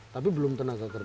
tapi belum tenaga kerja